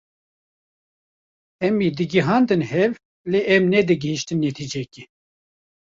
hemî digihandin hev lê em ne digihaştin netîcekê.